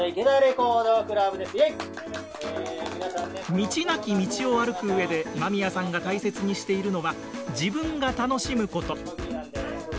道なき道を歩く上で馬宮さんが大切にしているのは自分が楽しむこと。